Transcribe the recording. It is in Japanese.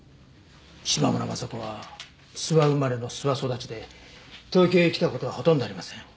島村昌子は諏訪生まれの諏訪育ちで東京へ来た事はほとんどありません。